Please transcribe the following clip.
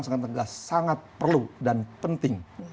saya katakan sangat perlu dan penting